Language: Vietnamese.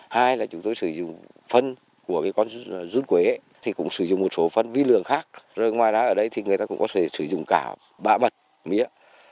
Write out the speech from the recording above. hai là chúng tôi sử dụng phân của con rút quế thì cũng sử dụng một số phân vi lường khác rồi ngoài ra ở đây thì người ta cũng có thể sử dụng cả bạ bật mía